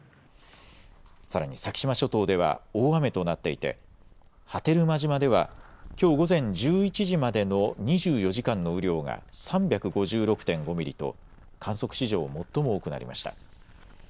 さらに先島諸島では大雨となっていて、波照間島ではきょう午前１１時までの２４時間の雨量が３５６．５ミリと観測史上最も多くなりました。